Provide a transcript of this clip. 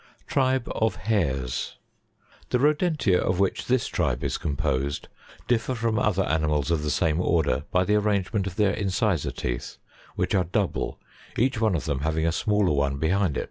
Tiibe of Hates. 61. The Rodentia of which this tribe is composed, differ from other animals of the same order by the arrangement of their incisor teeth, which are double, each one of them having a smaller one behind it.